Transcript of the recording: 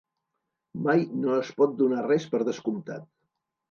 Mai no es pot donar res per descomptat.